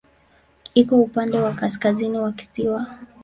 Iko upande wa kaskazini wa kisiwa.